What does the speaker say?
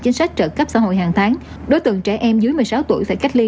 chính sách trợ cấp xã hội hàng tháng đối tượng trẻ em dưới một mươi sáu tuổi phải cách ly